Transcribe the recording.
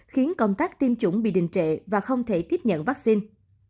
khiến công tác tiêm chủng bị đình trệ và không thể tiếp nhận vaccine